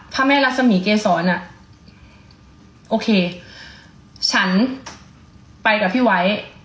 พระแม่รักษมีเกษรโอเคฉันไปกับพี่ไว้